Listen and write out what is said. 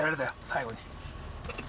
最後に？